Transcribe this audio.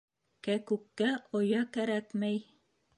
Кәкүккә оя кәрәкмәй.